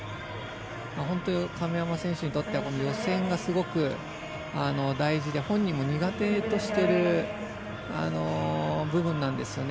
本当に亀山選手にとっては予選がすごく大事で、本人も苦手としている部分なんですよね。